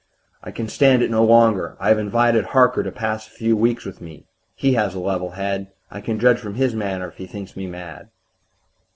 I can stand it no longer; I have invited Harker to pass a few weeks with me he has a level head. I can judge from his manner if he thinks me mad.